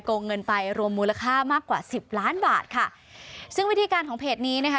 งเงินไปรวมมูลค่ามากกว่าสิบล้านบาทค่ะซึ่งวิธีการของเพจนี้นะคะ